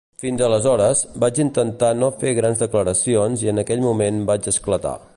Fins aleshores, vaig intentar no fer grans declaracions i en aquell moment vaig esclatar.